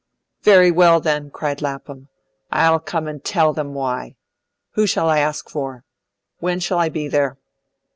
"Very well, then!" cried Lapham; "I'll come and TELL them why. Who shall I ask for? When shall I be there?"